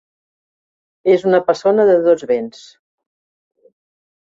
És una persona de dos vents.